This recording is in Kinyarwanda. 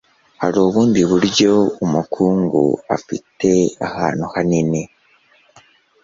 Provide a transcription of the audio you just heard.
hari ubundi buryo umukungu ufite ahantu hanini